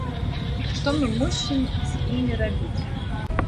Што мы мусім з імі рабіць?